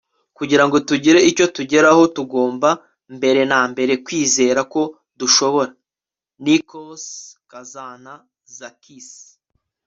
kugira ngo tugire icyo tugeraho, tugomba mbere na mbere kwizera ko dushobora. - nikos kazantzakis